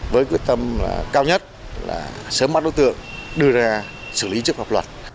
với quyết tâm cao nhất là sớm mắt đối tượng đưa ra xử lý chức hợp luật